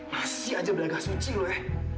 masih aja beragak suci lo ya